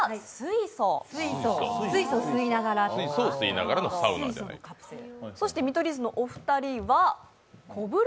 水素吸いながらとか水素のカプセル。